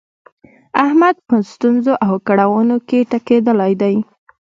احمد په ستونزو او کړاونو کې ټکېدلی دی.